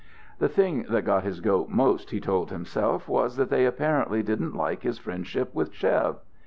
The thing that got his goat most, he told himself, was that they apparently didn't like his friendship with Chev.